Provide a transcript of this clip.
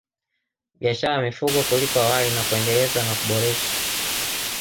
Biashara ya mifugo kuliko awali na kuendeleza na kuboresha